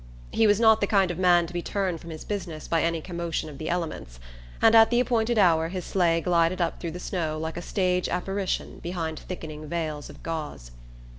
He was not the kind of man to be turned from his business by any commotion of the elements; and at the appointed hour his sleigh glided up through the snow like a stage apparition behind thickening veils of gauze.